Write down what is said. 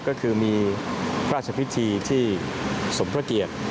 ก็คือมีพระราชพิธีที่สมพระเกียรติ